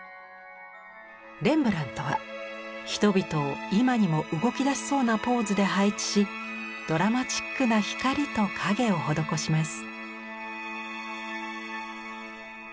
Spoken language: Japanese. レンブラントは人々を今にも動きだしそうなポーズで配置しドラマチックな光と影を施します。